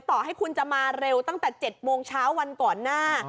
ต่อให้คุณจะมาเร็วตั้งแต่๗โมงเช้าวันก่อนหน้า